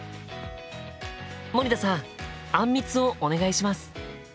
森田さんあんみつをお願いします！